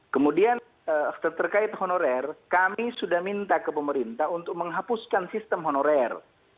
kemudian terkait honorer kami sudah minta ke pemerintah untuk menghapuskan sistem honorer